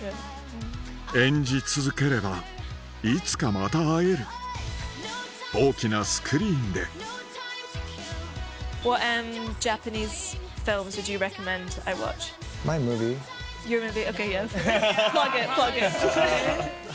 演じ続ければいつかまた会える大きなスクリーンでＹｏｕｒｍｏｖｉｅ，ＯＫ．ハハハハ！